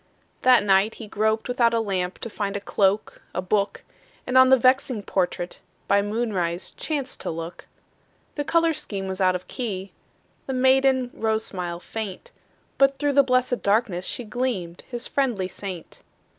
That night he groped without a lamp To find a cloak, a book, And on the vexing portrait By moonrise chanced to look. The color scheme was out of key, The maiden rose smile faint, But through the blessed darkness She gleamed, his friendly saint.